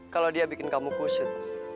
kalau dia bikin kamu kusut